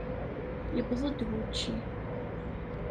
Yewweḍ-d wučči.